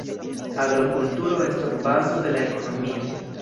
Agrokulturo estas bazo de la ekonomio.